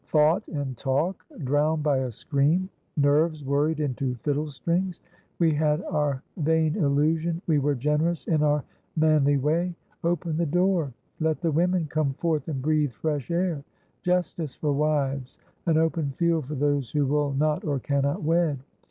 Thought and talk drowned by a scream; nerves worried into fiddle strings. We had our vain illusion; we were generous in our manly way. Open the door! Let the women come forth and breathe fresh air! Justice for wives, an open field for those who will not or cannot wed!